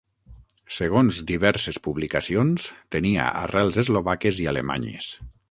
Segons diverses publicacions, tenia arrels eslovaques i alemanyes.